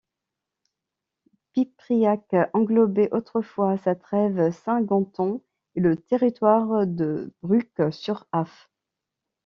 Pipriac englobait autrefois sa trève Saint-Ganton et le territoire de Bruc-sur-Aff.